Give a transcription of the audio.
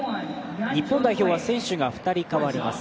日本代表は選手が２人代わります。